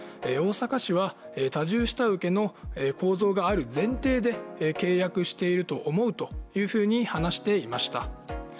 大阪市は多重下請けの構造がある前提で、契約していると思うというふうに話していました。